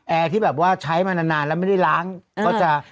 ที่แบบว่าใช้มานานแล้วไม่ได้ล้างก็จะ